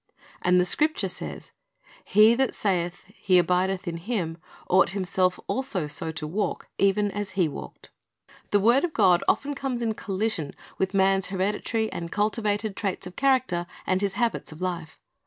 "' And the Scripture says, " He that saith he abideth in Him ought himself also so to walk, even as He walked."^ The word of God often comes in collision with man's hereditary and cultivated traits of character and his habits of life.